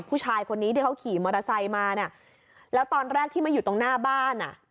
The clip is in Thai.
ผู้ชายคนนี้ที่เขาขี่มอเตอร์ไซค์มาน่ะแล้วตอนแรกที่มาอยู่ตรงหน้าบ้านอ่ะ